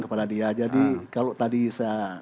kepada dia jadi kalau tadi saya